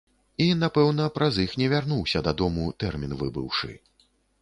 І, напэўна, праз іх не вярнуўся дадому, тэрмін выбыўшы.